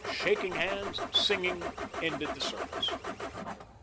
Shaking hands and singing ended the service."